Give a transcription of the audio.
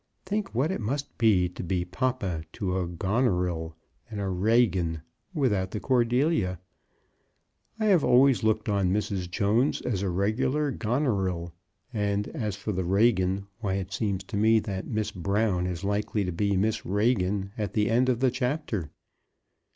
Think what it must be to be papa to a Goneril and a Regan, without the Cordelia. I have always looked on Mrs. Jones as a regular Goneril; and as for the Regan, why it seems to me that Miss Brown is likely to be Miss Regan to the end of the chapter.